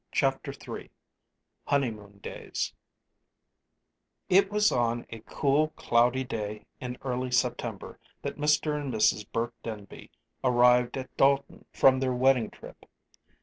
CHAPTER III HONEYMOON DAYS It was on a cool, cloudy day in early September that Mr. and Mrs. Burke Denby arrived at Dalton from their wedding trip.